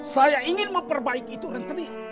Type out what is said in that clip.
saya ingin memperbaiki itu renteri